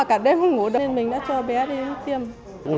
cả đêm không ngủ được nên mình đã cho bé đi